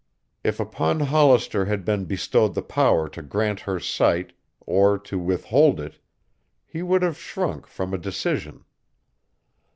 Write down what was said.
If upon Hollister had been bestowed the power to grant her sight or to withhold it, he would have shrunk from a decision.